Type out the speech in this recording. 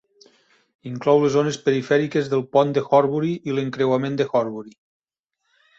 Inclou les zones perifèriques del pont de Horbury i l'encreuament de Horbury.